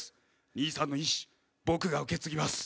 「兄さんの遺志僕が受け継ぎます」